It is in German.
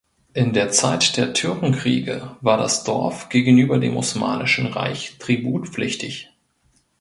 In der Zeit der Türkenkriege war das Dorf gegenüber dem Osmanischen Reich tributpflichtig.